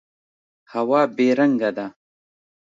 هوا بې رنګه ده.